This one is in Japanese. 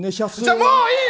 もういいよ！